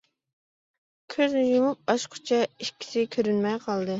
كۆزنى يۇمۇپ ئاچقۇچە ئىككىسى كۆرۈنمەي قالدى.